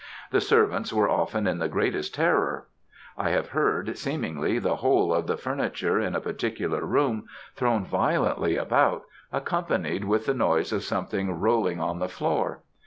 The servants were often in the greatest terror. I have heard, seemingly, the whole of the furniture, in a particular room, thrown violently about, accompanied with the noise of something rolling on the floor.